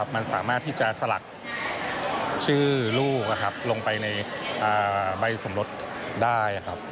มันสามารถที่จะสลัดชื่อลูกลงไปในใบสมรสได้ครับ